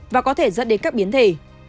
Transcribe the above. và có thể dẫn đến các biến thể